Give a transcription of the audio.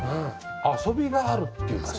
遊びがあるっていうかさ。